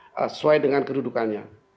sesuai dengan kedudukannya